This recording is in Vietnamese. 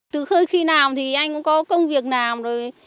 từ khi nào thì anh cũng có công việc làm rồi